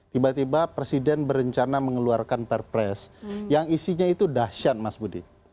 tiba tiba presiden berencana mengeluarkan perpres yang isinya itu dahsyat mas budi